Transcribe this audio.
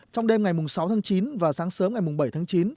trong đêm ngày sáu tháng chín và sáng sớm ngày bảy tháng chín